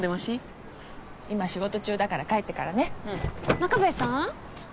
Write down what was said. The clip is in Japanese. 真壁さん？